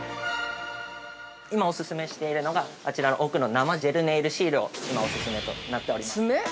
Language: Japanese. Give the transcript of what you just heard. ◆今お勧めしているのがあちらの奥の生ジェルネイルシールをお勧めとなっております。